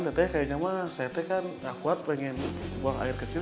teteh kayaknya mah saya teh kan gak kuat pengen buang air kecil